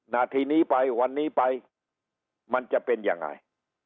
นาทีนี้ไปวันนี้ไปมันจะเป็นยังไง